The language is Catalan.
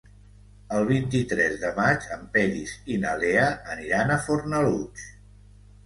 El vint-i-tres de maig en Peris i na Lea aniran a Fornalutx.